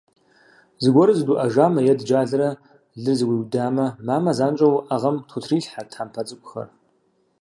Зыгуэру зыдуӏэжамэ е дыджалэрэ лыр зэгуиудамэ, мамэ занщӏэу уӏэгъэм тхутрилъхьэрт тхьэмпэ цӏыкӏухэр.